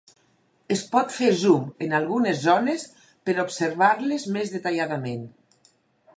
Es pot fer zoom en algunes zones per observar-les més detalladament.